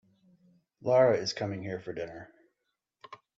Lara is coming here for dinner.